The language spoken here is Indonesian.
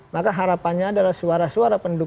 maka harapannya adalah suara suara pendukung